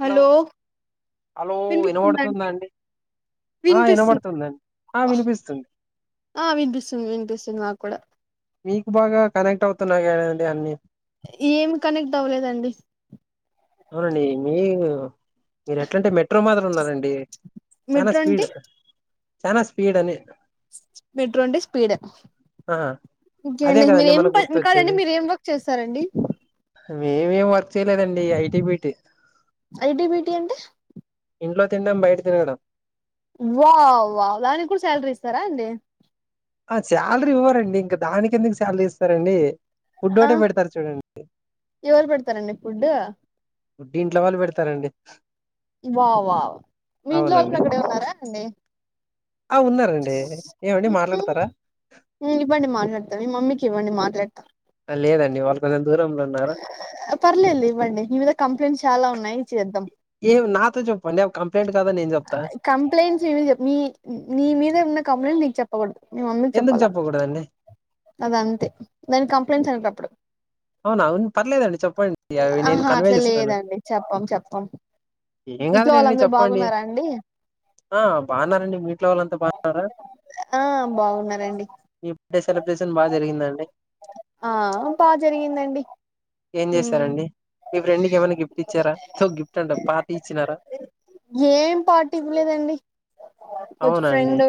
Hello hello వినిపిస్తుందా వినబడుతుందా అండి ఆ వినిపిస్తుంది వినబడుతుందండి ఆ వినిపిస్తుంది ఆ వినిపిస్తుంది వినిపిస్తుంది నాకు కూడా మీకు బాగా కనెక్ట్ అవుతున్నా గానీయండి అన్నీ ఏమి కనెక్ట్ అవ్వలేదండి అవునండి మీ మీర్ ఎట్లంటే మెట్రో మాదిర్ ఉన్నారండి చానా మెట్రో స్పీడ్ అంటే చానా స్పీడ్ అని మెట్రో అంటే స్పీడ్ ఆ ఇంకే అదే అండి కదండి మీరేం మనకు ప కాదండి గుర్తొచ్చేది మీర్ ఏం వర్క్ చేస్తారండి వేవేం వర్క్ చేయలేదండి ఐటీ బిటి ఐటిబిటి అంటే ఇంట్లో తిండం బయట తిరగడం వావ్ వావ్ దానిక్కూడ్ శాలరీ ఇస్తారా ఏంది అ శాలరీ ఇవ్వరండి ఇంకా దానికెందుక్ శాలరీ ఇస్తారండి ఫుడ్ ఒటే పెడతారు చూడండి ఎవర్ పెడతారండి ఫుడ్డు డింట్లో వాళ్ పెడతారండి వావ్ వావ్ మీ ఇంట్లో వాళ్ళక్కడే ఉన్నారా అండి అ ఉన్నారండి ఏవండి మాట్లాడతారా ఉ ఇవ్వండి మాట్లాడతా మీ మమ్మీకివ్వండి మాట్లాడతా అ లేదండి వాళ్ కొెంచం దూరం పర్లేదుల్ ఇవ్వండి మీ మీద కంప్లైంట్స్ చాలా ఉన్నాయి ఇ చేద్దాం ఏవ్ నాతో జెప్పండి అవ్ కంప్లైంట్ కాదో నేన్ జెప్తా కంప్లైంట్స్ ఇవి జె మీ మీ మీదే ఉన్న కంప్లైంట్ నీక్ చెప్పకూడదు మీ మమ్మీక్ చెప్పాలా ఉడదండి అద్ అంతే దాని కంప్లైంట్స్ అనరప్పుడు అవునా అవున్ పర్లేదండి చెప్పండి అవి నేను ఆహా కన్వే అట్లా చేస్తాను లేదండి చెప్పం చెప్పం ఏం కాదు ఇంట్లో లేండి వాళ్ళందరు చెప్పండి బాగున్నారా అండి ఆ బాన్నారండి మీంట్లో వాళ్ళంతా బా న్నారా ఆ బాగున్నారండి ఇప్ డే సెలబ్రేషన్ బా జరిగిందాండి ఆ బా జరిగిందండి ఏన్ ఉమ్ జేశారండి మీ ఫ్రెండ్ కేమన్నా గిఫ్ట్ ఇచ్చారా తో గిఫ్ట్ అంట పార్టీ ఇచ్చినారా ఏం పార్టీదివ్ లేదండి కొత్చ్ అవునండి ఫ్రెండు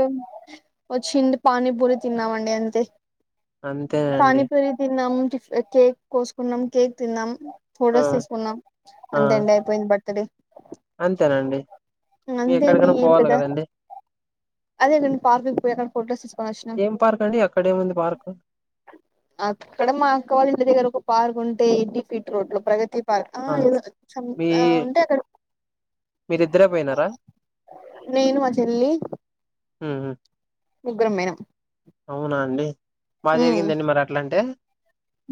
ఒచ్చిండి పానీపూరి తిన్నామండి అంతే అంతేనండి పానీపూరి తిన్నాం టిఫ్ అ కేక్ కోసుకున్నాం కేక్ తిన్నాం ఆ ఫొటోస్ తీసుకున్నాం ఆ అంతే అండయిపోయింద్ బర్తుడే అంతేనండి ఇంగ్ మీ అంతేండి ఎక్కడికైనా ఏం పోవాలి పెద కదండి అదే నేను పార్కుకి పోయ్ అకడ ఫోటస్ తీసుకొన్ ఒచ్చినాం ఏం పార్క్ అండి అక్కడేముంది పార్క్ ఆక్కడ మాక్క వాళ్ ఇంటి దగ్గర ఒక పార్క్ ఉంటే ఎంటి ఫీట్ రోడ్లు ప్రగతి పర్ ఆ ఏదో చ్ఛం మీ ఆ ఉంటే అక్కడు మీరిద్దరే పోయినారా నేను మా చెల్లి ఊహు ముగ్గురం పోయినం అవునా అండి మా జరిగిందా అండి మర్ అట్లంటే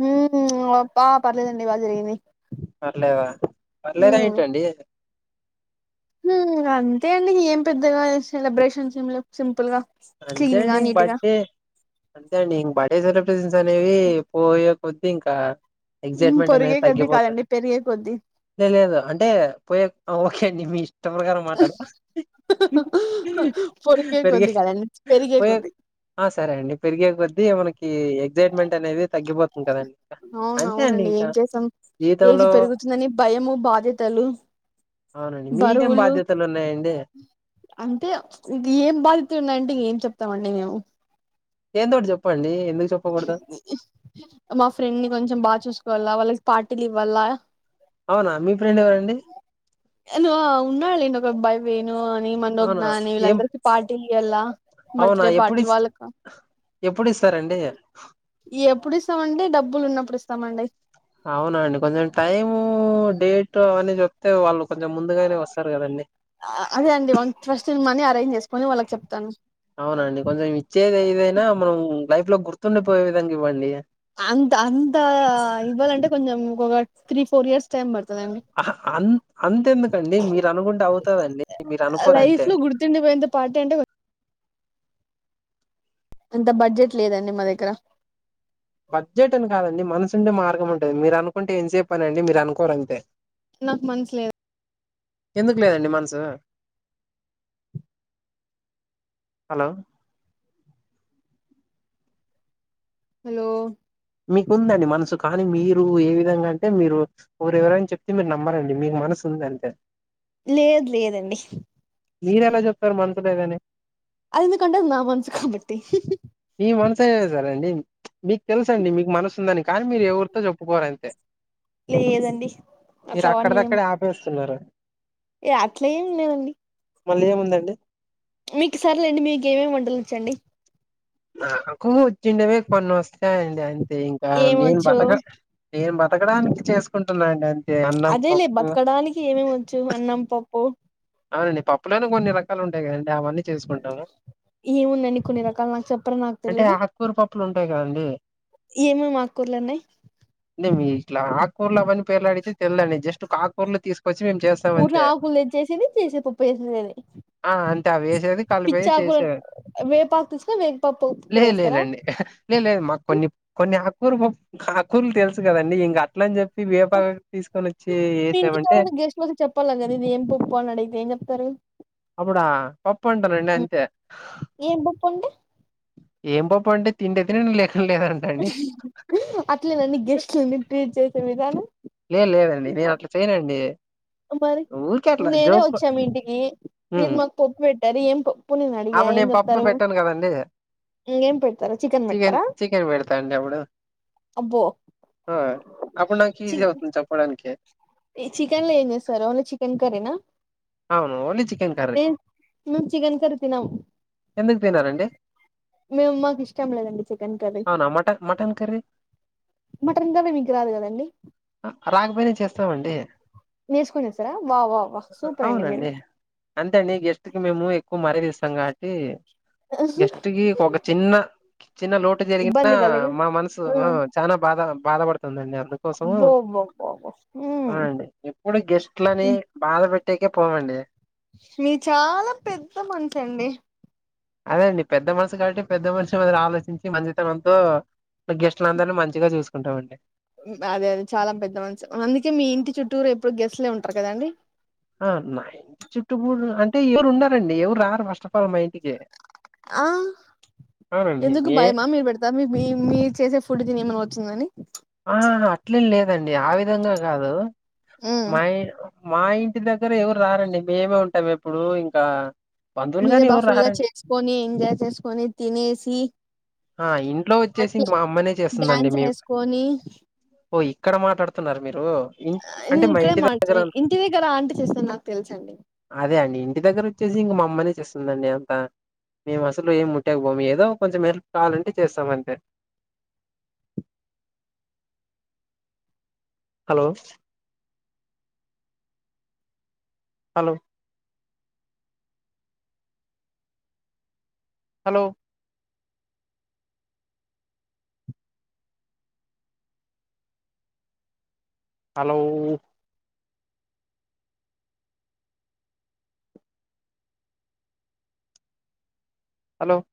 ఊమ్ ఉమ్ అప్ప పర్లేదండి బా జరిగింది పర్లేదా పర్లేదా ఉమ్ ఏంటండి హుమ్ అంతే అండి ఏం పెద్దగా ఎ సెలబ్రేషన్స్ ఎంలేవ్ సింపుల్ గా అంతే క్లీన్ అండి గా ఇంక నీటి గా బర్త్డే అంతే అండి ఇన్ బడే సెలబ్రేషన్స్ అనేవి పోయే కొద్ది ఇంకా హ్మ్ ఎగ్జైట్మెంట్ పొరిగే అనేది కొద్ది తగ్గిపోతా కాదండి పెరిగే కొద్ది లే లేదు అంటే పోయే ఓకే అండి మీష్ ష్ట ప్ర్రకారం మాట్లాడత పెరిగే పోయే పెరిగేకొద్దీ ఆ సరే అండి పెరిగే కొద్దీ మనకి ఎగ్జైట్మెంట్ అనేది తగ్గిపోతుంది కదండి అవున అంతే అండి అవునండి ఇంకా ఏం చేస్తం ఏజ్ జీవితంలో పెరుగుతుందని భయము బాధ్యతలు అవునండి అరె మీకేం బరువులు బాధ్యతలు ఉన్నయండి అంటే ఇంక ఏం బాధ్యతలు ఉన్నాయంటే ఇంక ఏం చెప్తామండి మేము ఏందోటి చెప్పండి ఎందుకు చెప్ప మా ఫ్రెండ్ ని కొంచెం బాగా చూసుకోవాలా వాళ్ళకి పార్టీలు ఇవ్వాలా అవునా మీ ఫ్రెండ్ ఎవరండి అను ఉన్నాడు లేండి అబ్బాయి వేణు అని మనోజ్ఞ అవునా అని ఏం వీళ్ళందరికీ పార్టీ ఇయ్వాల అవునా బర్త్డే ఎప్పుడు పార్టీలు ఇస్త వాళ్ళకి ఎప్పుడు ఇస్తారండి ఎప్పుడు ఇస్తామంటెే డబ్బులు ఉన్నప్పుడు ఇస్తామండి అవున అండి కొంచెం టైం డేట్ అవన్నీ చేప్తే వాళ్ళు కొంచెం ముందుగానే వస్తారు కదండి అదే అండి వా ఫస్ట్ సిని మనీ అరేంజ్ చేసుకొని వాళ్ళకి చెప్తాను అవునండి కొంచెం ఇచ్చేది ఏదైనా మనం లైఫ్ లో గుర్తుండిపోయే విధంగా ఇవ్వండి అంత అంత ఇవ్వాలంటే కొంచెం ఒక త్రీ ఫోర్ ఇయర్స్ టైం పడుతుంది అహా అంతే ఎందుకండి మీరు అనుకుంటే అవుతదండి మీరు అనుకోరు అంతే న్వుతే పార్టీ అంట అంత బడ్జెట్ లేదండి మా దగ్గర బడ్జెట్ అని కాదండి మనసు ఉండే మార్గం ఉంటుంది మీరు అనుకుంటే ఏంతసేపు పనిఅండి మీరు అనుకోరు అంతే నాకు మనసు లేదు ఎందుకు లేదండి మనసు హలో హలో మీకుందండి మనసు కానీ మీరు ఏ విధంగా అంటే మీరు మిరు ఎవరైన చెపింది నమ్మరండి మీకు మనసు ఉంది అంతే లేదు లేదండి మిరేలా చెప్తారు మనసులేదని అది మీకంటే నా మనసు కాబట్టి మీ మనసు అయిన సరే అండి మీకు తెలుసు తెలుసాండి మీకు మనసు ఉందని కానీ మీరు ఎవరితో చెప్పుకోరు అంతే లేదండి మీరు అట్లా అవన్నీ ఏం అక్కడిదక్కడే ఆపేస్తున్నారు ఏ అట్లా ఏమిలేదండి మళ్ళీ ఏముందండి మీకు సర్లేండి మీకు ఏమేమి వంటలుచ్చండి నాకు చిన్నావే కొన్ని వస్తాయండి అంతే ఇంకా నేను ఏమొచ్చు బతక నేను బతకడానికి చేసుకుంటున్నా అండి అ అదే లే బతకడానికి ఏమేమిచ్చు అన్నం పప్పు అవునండి పప్పులైనా కొన్ని రకాలు ఉంటాయి కదండి ఆవని ఏముందండి కొన్ని రకాలు నాకు చెప్పరా నాకు తెలీదు కూరపప్పులు ఉంటాయి కదండి ఏం ఎం అక్ర్లున్నాయి న మీ ఇట్లా ఆకూర్ లన్ని పేర్లాడితే తెల్దండి జస్ట్ ఆకూర్లో తీసుకు ఊర్ల ఆకులు తెచ్చేసేది చేసే పప్పు వేసందిని ఆ అంతే అవి వేసేది కలిపేది పిచ్చాకు చేసేది వేపాకు తీసున లే వేకపాకురస్తారా లేదండి లే లేదు మాకు కొన్ని కొన్ని ఆకూలు ఆకూరలు తెలుసు కదండి ఇంక అట్ల అని చెప్ప ఇ వేపగా తీసుకొని వచ్చి వేసామంటే మకు చెప్పాలి కదా ఇది ఏం పప్పువాలని అడిగితే ఏం చెప్తారు అప్పుడా పప్పంటా రండి అంతే ఏం పప్పు అంటే ఏం పప్పు అంటే తింటే తినండి లేకుంటే లేదంట అండి ఊ అట్లేన నడీ గెస్ట్లనీ ట్రీట్ చేసే విధానం లే లేదండి నేను అట్లా చేయనండి మరి ఊరికే అట్లా నేనే జోక్ వచ్చా మీ ఇంటికి మీరు ఉమ్ మాకు పప్పు పెట్టారు ఏం నేను అడిగా అప్పుడు ఏం నేను పప్పు చెప్తారు పెట్టను కదండి ఏం పెడతారు చికెన్ పెడతారా చికెన్ పెడుతాంట అప్పుడు అబ్బో అపుడు నాకి ఇజీ అవుతుంది చెప్పడానికి ఈ చికెన్ లో ఏం చేస్తారు ఓన్లీ చికెన్ కర్రీనా అవును ఓన్లీ చికెన్ కర్రీ నేన్ నే చికన్ కర్రీ తినం ఎందుకు తినరండి మేమ్ మాకి ఇష్టం లేదండి చికెన్ కర్రీ అవునా mutton mutton curry mutton curry మీకు రాదు కదండి రాకపోయినా చేస్తామండి నేర్చుకొని చేస్తారా వావ్ వావ్ అవునండి అంతే అండి గెస్ట్ కి మేము ఎక్కువ మరది ఇస్తాం కాబట్టి గెస్ట్ కి ఒక చిన్న చిన్న లోటు జరిగినా ఇబ్బంది కలిగి మా మనసు చాలా బాధ బాధ పడుతుందండి అందు కోసము అబ్బో అబ్బో అబ్బో అబ్బో అవునండి ఎప్పుడు గెస్ట్లని బాధ పెెట్టేకే పోమండి మీ చాలా పెద్ద మనసు అండి అదేండి పెద్ద మనిషి కాబట్టి పెద్ద మనిషి మీద ఆలోచించి మంచితనంతో గెస్ట్ల అందరినీ మంచిగా చూసుకుంటామండి అదే అది చాలా పెద్ద మంచిం అందుకే మీ ఇంటి చుట్టూరు ఎప్పుడు గెస్ట్లే ఉంటారు కదండి ఆ నా ఇంటి చుట్టుపూడు అంటే ఎవరు ఉన్నారండి ఎవరు రారు ఫస్ట్ ఆఫ్ ఆల్ మా ఇ ఆ ఎందుకు భయమా [unintelligible] మీ మీ మీరూ చేసే ఫుడ్ ఏమైనా వచ్చిందని ఆ అట్లేంలేదండి ఆ విధంగా కాదు ఉమ్. మా మా ఇంటి దగ్గర ఎవరు రారండి మేమే ఉంటాం ఎప్పుడు ఇంకా బంధువులు మీరే గాని బ ఎవరు ఫుల్ గా రారండి చేసుకొని ఎంజాయ్ చేసుకొని తినేసి మా ఇంట్లో వచ్చేసి ఇంక మా అమ్మనే చేస్తుందండి మేం పోనీ ఓ ఇక్కడ మాట్లాడుతున్నారు మీరు నేను అంటే మా ఇక్కడే ఇంటి దగ్గర మారుతుాన్నాను ఇంటి దగ్గర చూస్తా నాకు తెలసి అదే అండి ఇంటి దగ్గర వచ్చేసి ఇంక మా అమ్మనే చేస్తుందండి అంత మేము అసలు ఏం ముట్టాకపోాము ఏదో కొంచెం కావాలంటే చేస్తాం అంతే hello hello hello hello hello